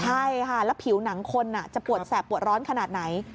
ใช่ค่ะแล้วผิวหนังคนจะปวดแสบปวดร้อนขนาดไหน